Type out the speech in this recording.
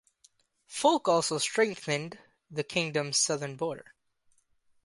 Fulk also strengthened the kingdom's southern border.